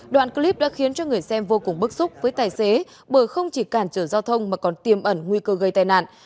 đoạn clip đã khiến cho người xem vô cùng bức xúc với tài xế bởi không chỉ cản trở giao thông mà còn tiêm ẩn nguy cơ gây tai nạn